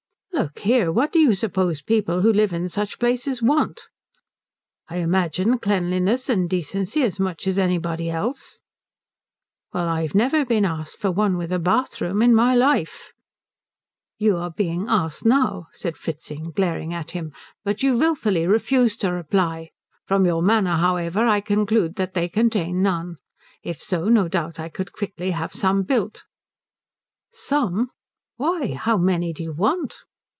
"Look here, what do you suppose people who live in such places want?" "I imagine cleanliness and decency as much as anybody else." "Well, I've never been asked for one with a bathroom in my life." "You are being asked now," said Fritzing, glaring at him, "but you wilfully refuse to reply. From your manner, however, I conclude that they contain none. If so, no doubt I could quickly have some built." "Some? Why, how many do you want?"